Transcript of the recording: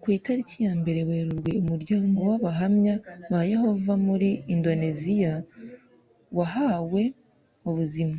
Ku itariki yambere Werurwe umuryango w Abahamya ba Yehova muri Indoneziya wahawe ubuzima